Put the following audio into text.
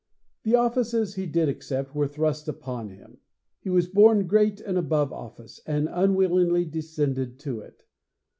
The offices he did accept were thrust upon him. He was born great and above office and unwillingly descended to it.'